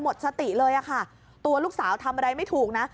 หมดสติเลยอะค่ะตัวลูกสาวทำอะไรไม่ถูกนะ